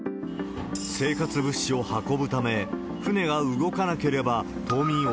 生活物資を運ぶため、船が動かなければ、島民